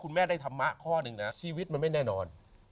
แม่ได้ธรรมะข้อหนึ่งนะชีวิตมันไม่แน่นอน